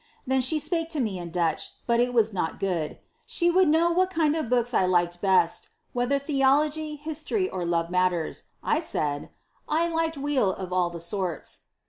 Then she spake to me ii Dutch, but it was not good ; she would know what kind of books I /iked best, whether theology, history, or love maiters, 1 said, ' I liket weel of all the sorts.'